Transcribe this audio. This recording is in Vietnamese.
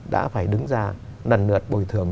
đã phải đứng ra nần nượt bồi thường